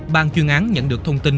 ban chuyên án nhận được thông tin